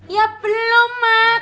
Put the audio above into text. ya belum mak